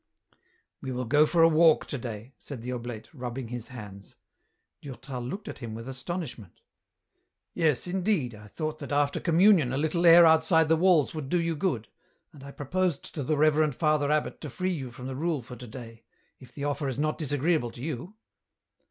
We will go for a walk to day," said the oblate, rubbing his hands. Durtal looked at him with astonishment. 2l6 EN ROUTE. " Yes, indeed, I thought that after a communion a little air outside the walls would do you good, and I proposed to the Reverend Father Abbot to free you from the rule for to day, if the offer is not disagreeable to you."